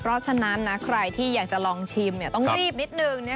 เพราะฉะนั้นใครที่อยากจะลองชิมต้องรีบนิดนึง